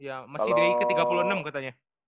iya masih di ke tiga puluh enam katanya